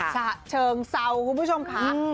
ฉะเชิงเซาคุณผู้ชมค่ะ